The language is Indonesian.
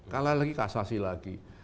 kalah lagi kasasi lagi